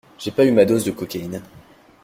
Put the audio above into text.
J'ai pas eu ma dose de cocaïne.